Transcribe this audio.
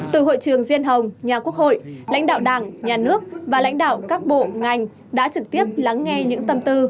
từ hội trường diên hồng nhà quốc hội lãnh đạo đảng nhà nước và lãnh đạo các bộ ngành đã trực tiếp lắng nghe những tâm tư